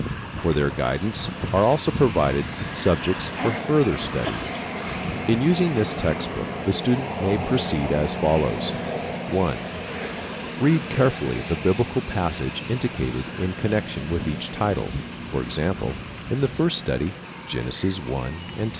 For their guidance are also provided Subjects for Further Study. In using this text book the student may proceed as follows: (1) Read carefully the Biblical passage indicated in connection with each title; for example, in the first study, Genesis 1 and 2.